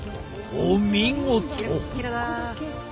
お見事。